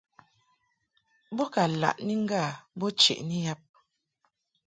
Bo ka laʼni ŋgâ bo cheʼni yab.